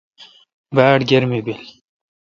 باڑ گرمی بیل۔